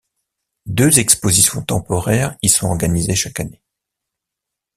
Deux expositions temporaires y sont organisées chaque année.